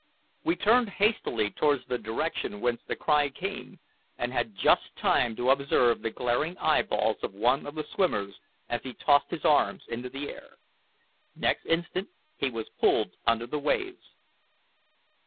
We turned hastily towards the direction whence the cry came, and had just time to observe the glaring eyeballs of one of the swimmers as he tossed his arms in the air. Next instant he was pulled under the waves.